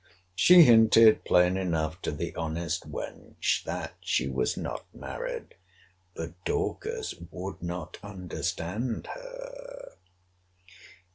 — She hinted plain enough to the honest wench, that she was not married. But Dorcas would not understand her.